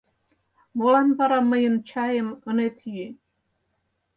Молан вара мыйын чаем ынет йӱ?